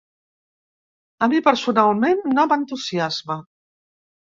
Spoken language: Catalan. A mi personalment no m’entusiasma.